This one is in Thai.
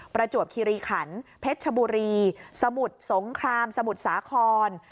ประจวบคิริขันเพชรชบุรีสมุทรสงครามสมุทรสาคร